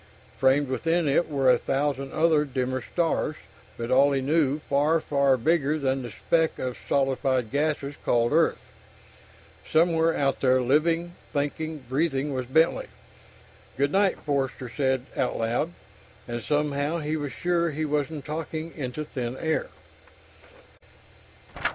Framed within it were a thousand other dimmer stars, but all, he knew, far, far bigger than the speck of solidified gases called Earth. Somewhere out there, living, thinking, breathing was Bentley. "Good night," Forster said out loud. And somehow, he was sure he wasn't talking into thin air.